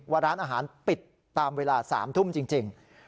ว่าร้านอาหารปิดตามเวลา๓ทุ่มจริง